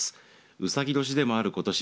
うさぎ年でもあることし